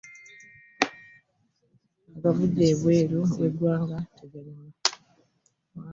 Agavudde ebweru w'eggwanga teganyuma.